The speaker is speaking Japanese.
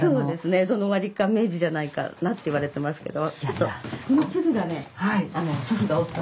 江戸の終わりか明治じゃないかなって言われてますけど。